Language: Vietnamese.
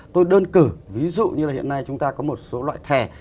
tôi đơn cử ví dụ như là hiện nay chúng ta có một số loại thẻ